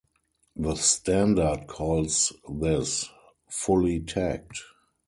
The standard calls this "fully tagged".